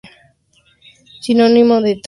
Sinónimo de "tanga".